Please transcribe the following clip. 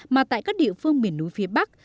mà tại các địa phương miền núi phía bắc